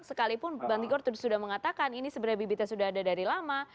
sekalipun bang tigor sudah mengatakan ini sebenarnya bibitnya sudah ada dari lama